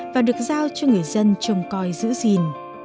và được giao cho người dân trồng coi giữ gìn